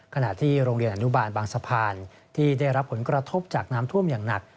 ขณะที่โรงเรียนอนุบาลบางสะพานที่ได้รับผลกระทบจากน้ำท่วมอย่างหนัก